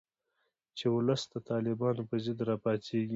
چې ولس د طالبانو په ضد راپاڅیږي